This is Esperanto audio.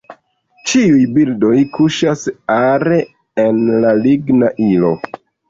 Ĉiuj bildoj kuŝas are en la ligna ilo.